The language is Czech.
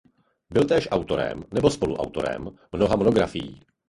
Byl též autorem nebo spoluautorem mnoha monografií.